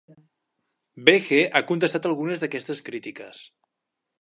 Behe ha contestat a algunes d'aquestes crítiques.